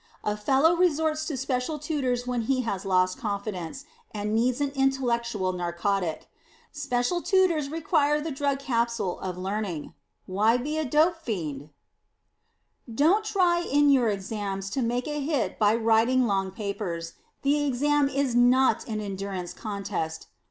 A fellow resorts to special tutors when he has lost confidence, and needs an intellectual narcotic. Special tutors represent the drug capsule of learning. Why be a dope fiend? [Sidenote: IN THE EXAMS] Don't try in your Exams to make a hit by writing long papers. The Exam is not an endurance contest.